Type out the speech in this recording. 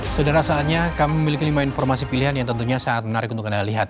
saudara saatnya kami memiliki lima informasi pilihan yang tentunya sangat menarik untuk anda lihat